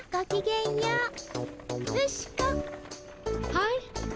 はい。